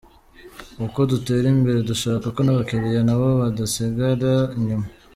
Uko dutera imbere, dushaka ko n’abakiliya nabo badasigara inyuma.